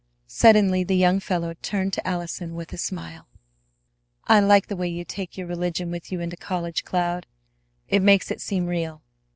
Suddenly the young fellow turned to Allison with a smile. "I like the way you take your religion with you into college, Cloud. It makes it seem real.